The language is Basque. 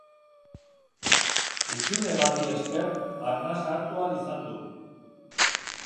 Hutsune bati esker arnasa hartu ahal izan du.